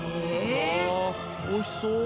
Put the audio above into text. わおいしそう。